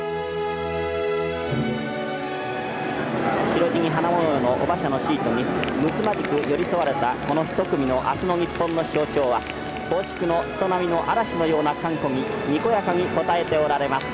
「白地に花模様の御馬車のシートにむつまじく寄り添われたこの一組の明日の日本の象徴は奉祝の人波の嵐のような歓呼ににこやかに応えておられます」。